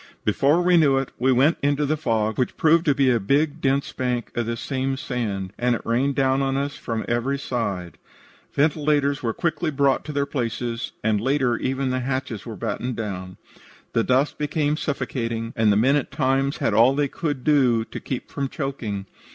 "Before we knew it, we went into the fog, which proved to be a big dense bank of this same sand, and it rained down on us from every side. Ventilators were quickly brought to their places, and later even the hatches were battened down. The dust became suffocating, and the men at times had all they could do to keep from choking.